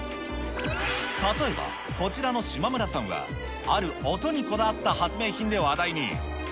例えば、こちらの島村さんは、ある音にこだわった発明品で話題に。